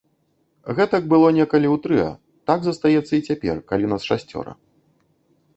Гэтак было некалі ў трыа, так застаецца і цяпер, калі нас шасцёра.